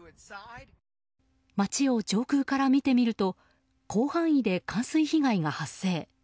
街を上空から見てみると広範囲で冠水被害が発生。